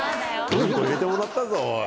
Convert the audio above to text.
「うんこ」入れてもらったぞおい。